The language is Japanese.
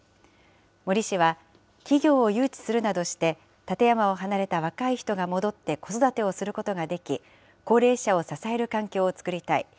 森氏は、企業を誘致するなどして、館山を離れた若い人が戻って子育てをすることができ、高齢者を支える環境をつくりたい。